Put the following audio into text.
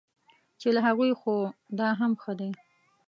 چې له هغوی خو دا هم ښه دی.